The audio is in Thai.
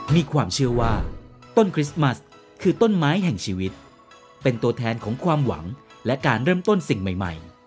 มีความเชื่อว่าต้นคริสต์มัสคือต้นไม้แห่งชีวิตเป็นตัวแทนของความหวังและการเริ่มต้นสิ่งใหม่